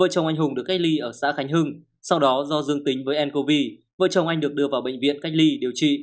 chở khách thường lệ